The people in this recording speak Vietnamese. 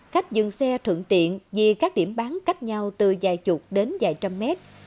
khách dừng xe thuận tiện vì các điểm bán cách nhau từ vài chục đến vài trăm mét